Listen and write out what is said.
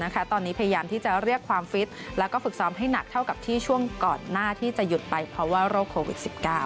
ตอนนี้พยายามที่จะเรียกความฟิตแล้วก็ฝึกซ้อมให้หนักเท่ากับที่ช่วงก่อนหน้าที่จะหยุดไปเพราะว่าโรคโควิด๑๙